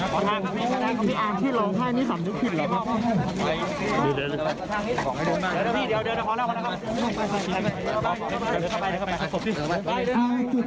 ขอทางครับพี่ขอทางครับพี่